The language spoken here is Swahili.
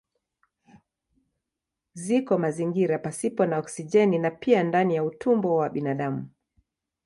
Ziko mazingira pasipo na oksijeni na pia ndani ya utumbo wa binadamu.